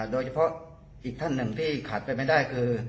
โดยเฉพาะอีกท่านหนึ่งที่ขาดไปไม่ได้คือ